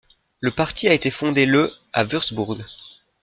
Le parti a été fondé le à Wurtzbourg.